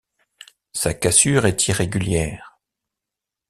Sa cassure est irrégulière.